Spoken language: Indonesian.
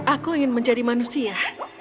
aku ingin menjadi manusia